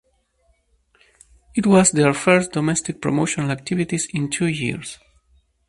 It was their first domestic promotional activities in two years.